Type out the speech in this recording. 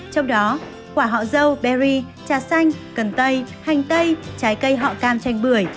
trong đó quả họ dâu berry trà xanh cần tây hành tây trái cây họ cam chanh bưởi